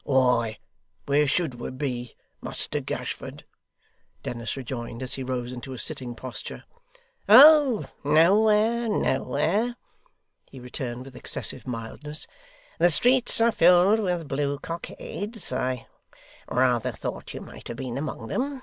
'Why, where should we be, Muster Gashford!' Dennis rejoined as he rose into a sitting posture. 'Oh nowhere, nowhere,' he returned with excessive mildness. 'The streets are filled with blue cockades. I rather thought you might have been among them.